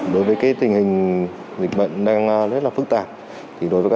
đối với tình hình dịch bệnh đang rất là phức tạp